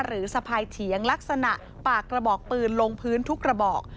สะพายเถียงลักษณะปากกระบอกปืนลงพื้นทุกกระบอก